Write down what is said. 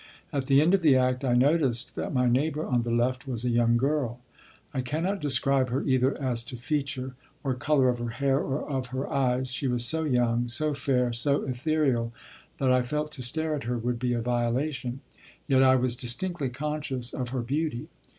At the end of the act I noticed that my neighbor on the left was a young girl. I cannot describe her either as to feature, or color of her hair, or of her eyes; she was so young, so fair, so ethereal, that I felt to stare at her would be a violation; yet I was distinctly conscious of her beauty.